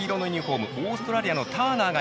オーストラリアのターナーがいい。